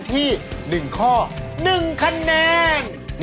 ที่หนึ่งข้อหนึ่งคะแนน